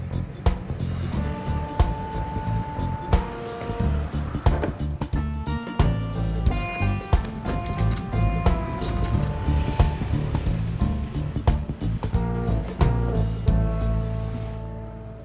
nah ini sudah